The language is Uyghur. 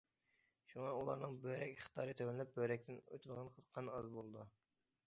شۇڭا ئۇلارنىڭ بۆرەك ئىقتىدارى تۆۋەنلەپ، بۆرەكتىن ئۆتىدىغان قان ئاز بولىدۇ.